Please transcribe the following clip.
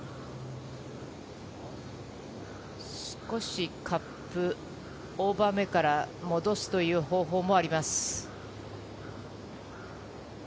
少しカップオーバーめから戻すという方法もあります。